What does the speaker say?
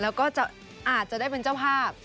แล้วก็อาจจะได้เป็นเจ้าภาพ